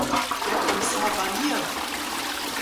Herr Kommissar Barnier!